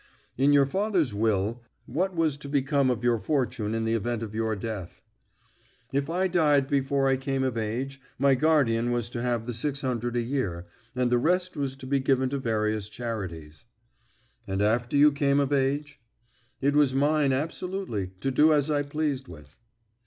"In your father's will what was to become of your fortune in the event of your death?" "If I died before I came of age, my guardian was to have the six hundred a year, and the rest was to be given to various charities." "And after you came of age?" "It was mine absolutely, to do as I pleased with."